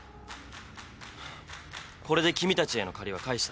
これで君たちへの借りは返したぞ。